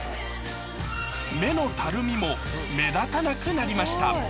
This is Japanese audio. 目のたるみも目立たなくなりました